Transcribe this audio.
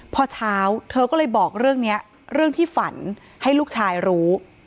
พอเช้าเธอก็เลยบอกเรื่องนี้เรื่องที่ฝันให้ลูกชายรู้